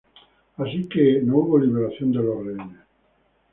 Así que, no hubo liberación de los rehenes.